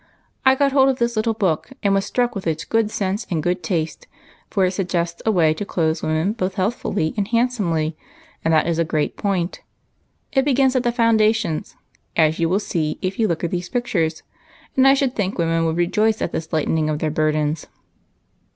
I got hold of this little book, and was struck with its good sense and good taste, for it suggests a way to clothe women both healthfully and handsomely, and FASHION AND PHYSIOLOGY. 211 that is a great point. It begins at the foundations, as you will see if you will look at these pictures, and I should think women would rejoice at this lightening of their burdens."